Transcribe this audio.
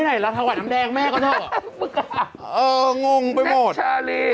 แน็กชารี